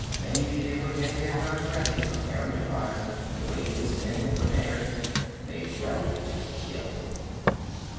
Maybe they were getting their guns ready, preparing to fire, the way his men had prepared, made ready to kill.